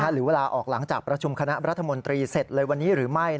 หรือเวลาออกหลังจากประชุมคณะรัฐมนตรีเสร็จเลยวันนี้หรือไม่